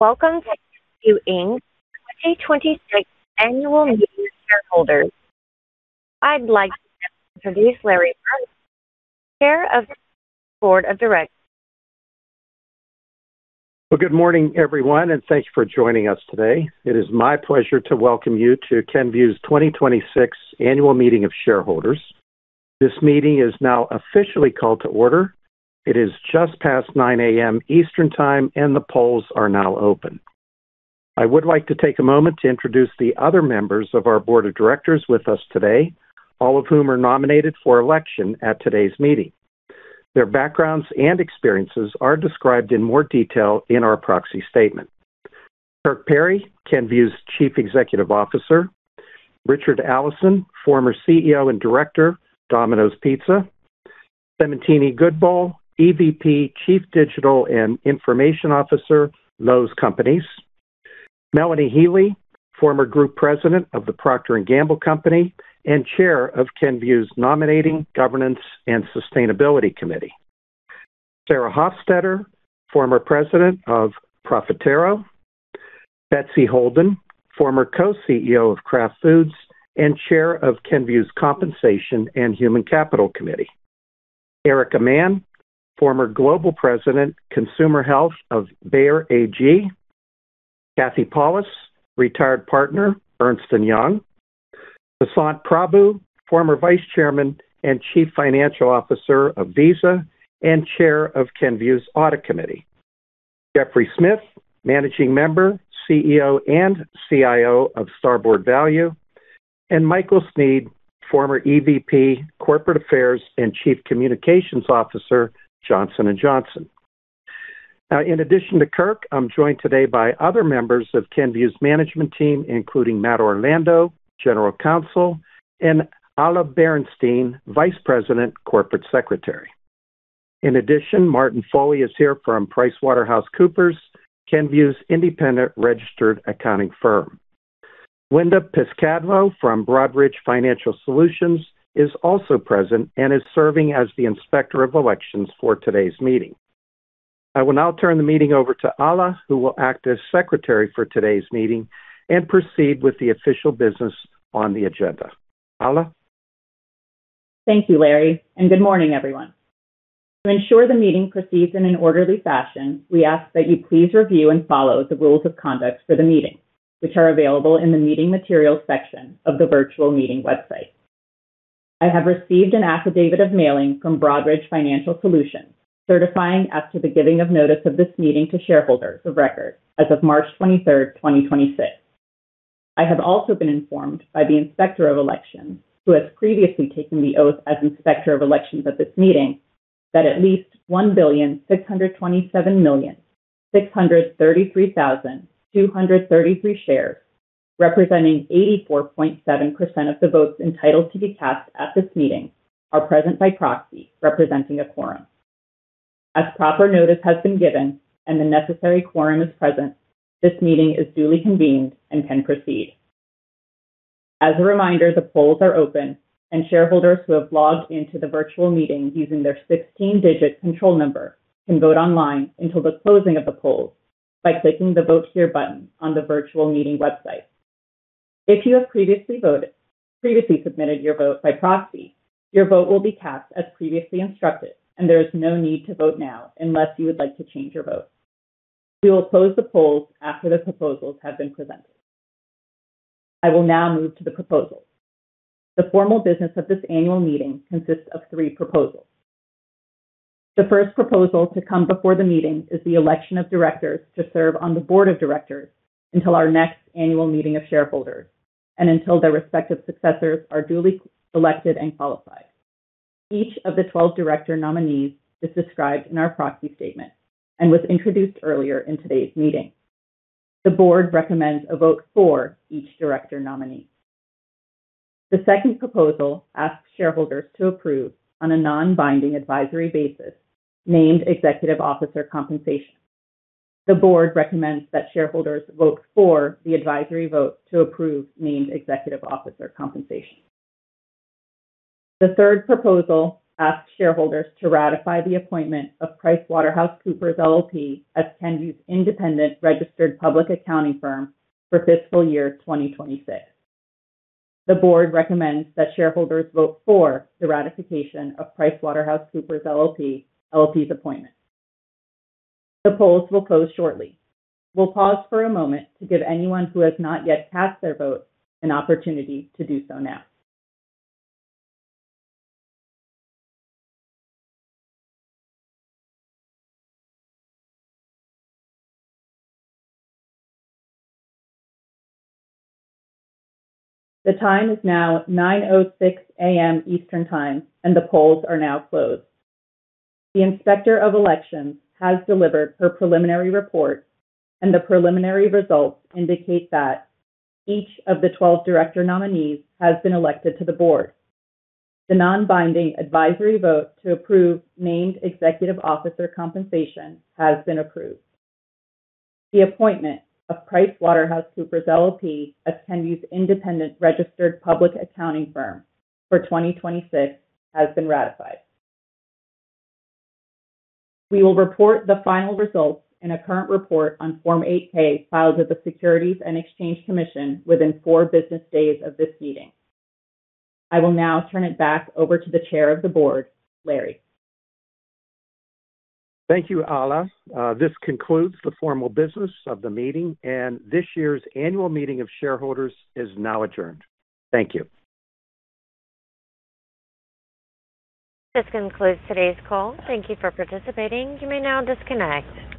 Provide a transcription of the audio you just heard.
Welcome to Kenvue Inc.'s 2026 Annual Meeting of Shareholders. I'd like to introduce Larry Merlo, Chair of the Board of Directors. Good morning everyone, and thank you for joining us today. It is my pleasure to welcome you to Kenvue's 2026 Annual Meeting of Shareholders. This meeting is now officially called to order. It is just past 9:00 A.M. Eastern Time, and the polls are now open. I would like to take a moment to introduce the other members of our Board of Directors with us today, all of whom are nominated for election at today's meeting. Their backgrounds and experiences are described in more detail in our proxy statement. Kirk Perry, Kenvue's Chief Executive Officer. Richard Allison, former CEO and Director, Domino's Pizza. Seemantini Godbole, EVP, Chief Digital and Information Officer, Lowe's Companies. Melanie Healey, former Group President of the Procter & Gamble Company and Chair of Kenvue's Nominating, Governance & Sustainability Committee. Sarah Hofstetter, former President of Profitero. Betsy Holden, former Co-CEO of Kraft Foods and Chair of Kenvue's Compensation and Human Capital Committee. Erica Mann, former Global President, Consumer Health of Bayer AG. Kathy Pawlus, Retired Partner, Ernst & Young. Vasant Prabhu, former Vice Chairman and Chief Financial Officer of Visa and Chair of Kenvue's Audit Committee. Jeffrey Smith, Managing Member, CEO, and CIO of Starboard Value, and Michael Sneed, former EVP, Corporate Affairs and Chief Communications Officer, Johnson & Johnson. Now, in addition to Kirk, I'm joined today by other members of Kenvue's management team, including Matt Orlando, General Counsel, and Alla Berenshteyn, Vice President, Corporate Secretary. In addition, Martin Foley is here from PricewaterhouseCoopers, Kenvue's independent registered accounting firm. Linda Piscitello from Broadridge Financial Solutions is also present and is serving as the Inspector of Elections for today's meeting. I will now turn the meeting over to Alla, who will act as Secretary for today's meeting and proceed with the official business on the agenda. Alla? Thank you, Larry, and good morning, everyone. To ensure the meeting proceeds in an orderly fashion, we ask that you please review and follow the rules of conduct for the meeting, which are available in the Meeting Materials section of the virtual meeting website. I have received an affidavit of mailing from Broadridge Financial Solutions, certifying as to the giving of notice of this meeting to shareholders of record as of March 23rd, 2026. I have also been informed by the Inspector of Elections, who has previously taken the oath as Inspector of Elections at this meeting, that at least 1,627,633,233 shares, representing 84.7% of the votes entitled to be cast at this meeting, are present by proxy, representing a quorum. As proper notice has been given and the necessary quorum is present, this meeting is duly convened and can proceed. As a reminder, the polls are open, and shareholders who have logged into the virtual meeting using their 16-digit control number can vote online until the closing of the polls by clicking the Vote Here button on the virtual meeting website. If you have previously submitted your vote by proxy, your vote will be cast as previously instructed and there is no need to vote now unless you would like to change your vote. We will close the polls after the proposals have been presented. I will now move to the proposals. The formal business of this Annual Meeting consists of three proposals. The first proposal to come before the meeting is the Election of Directors to serve on the Board of Directors until our next Annual Meeting of Shareholders and until their respective successors are duly elected and qualified. Each of the 12 director nominees is described in our proxy statement and was introduced earlier in today's meeting. The board recommends a vote for each director nominee. The second proposal asks shareholders to approve on a non-binding advisory basis named executive officer compensation. The board recommends that shareholders vote for the advisory vote to approve named executive officer compensation. The third proposal asks shareholders to ratify the appointment of PricewaterhouseCoopers LLP as Kenvue's independent registered public accounting firm for fiscal year 2026. The board recommends that shareholders vote for the ratification of PricewaterhouseCoopers LLP's appointment. The polls will close shortly. We'll pause for a moment to give anyone who has not yet cast their vote an opportunity to do so now. The time is now 9:06 A.M. Eastern Time, and the polls are now closed. The Inspector of Elections has delivered her preliminary report, and the preliminary results indicate that each of the 12 director nominees has been elected to the board. The non-binding advisory vote to approve named executive officer compensation has been approved. The appointment of PricewaterhouseCoopers LLP as Kenvue's independent registered public accounting firm for 2026 has been ratified. We will report the final results in a current report on Form 8-K filed with the Securities and Exchange Commission within four business days of this meeting. I will now turn it back over to the Chair of the Board, Larry. Thank you, Alla. This concludes the formal business of the meeting, and this year's Annual Meeting of Shareholders is now adjourned. Thank you. This concludes today's call. Thank you for participating. You may now disconnect.